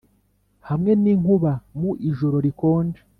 hamwe n'inkuba mu ijoro rikonje.